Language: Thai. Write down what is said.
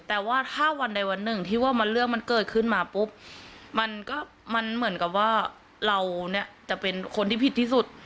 แต่ว่าถ้าวันใดวันหนึ่งที่ว่าเรื่องมันเกิดขึ้นมาปุ๊บมันก็มันเหมือนกับว่าเราเนี่ยจะเป็นคนที่ผิดที่สุด